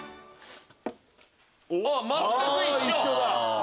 あっ全く一緒。